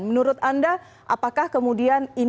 menurut anda apakah kemudian ini